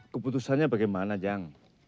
keputusannya bagaimana jang